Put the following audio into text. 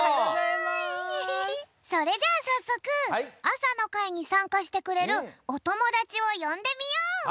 それじゃあさっそくあさのかいにさんかしてくれるおともだちをよんでみよう。